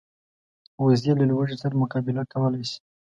وزې له لوږې سره مقابله کولی شي